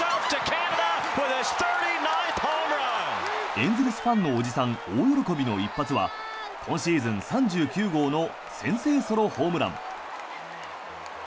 エンゼルスファンのおじさん大喜びの一発は今シーズン３９号の先制ソロホームラン。